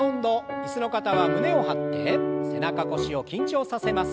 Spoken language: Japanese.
椅子の方は胸を張って背中腰を緊張させます。